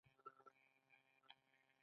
پانګوال یوازې لومړنی او دویم ډول ورکړي دي